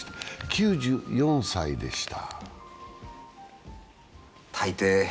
９４歳でした。